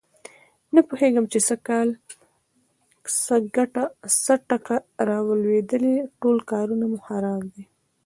نه پوهېږم چې سږ کل څه ټکه را لوېدلې ټول کارونه مې خراب دي.